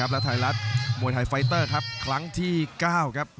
และไทยรัฐมวยไทยไฟเตอร์ครับครั้งที่๙ครับ